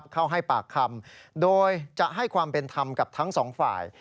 เข้าให้ปากคำโดยจะให้ความเป็นธรรมกับทั้งสองฝ่าย